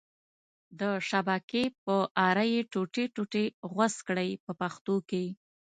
د شبکې په اره یې ټوټې ټوټې غوڅ کړئ په پښتو کې.